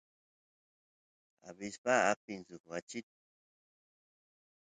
abispa apin suk wachi